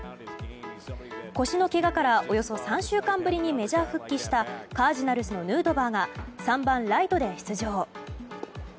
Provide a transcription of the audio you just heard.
腰のけがからおよそ３週間ぶりにメジャー復帰したカージナルスのヌートバーが３番ライトで出場。